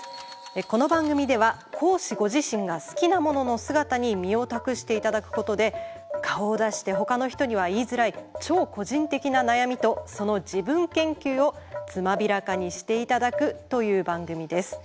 この番組では講師ご自身が好きなものの姿に身を託していただくことで顔を出してほかの人には言いづらい超個人的な悩みとその自分研究をつまびらかにしていただくという番組です。